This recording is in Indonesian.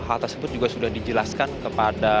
hal tersebut juga sudah dijelaskan kepada